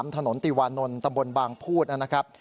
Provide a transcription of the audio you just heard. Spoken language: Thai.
ถนนติวานนท์ตำบลบางพูดนะครับ